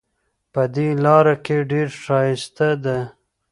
په دې لاره کې ډېر ښایست ده